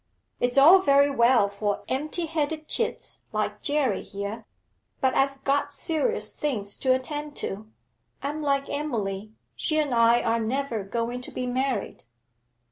It's all very well for empty headed chits like Jerry here, but I've got serious things to attend to. I'm like Emily, she and I are never going to be married.'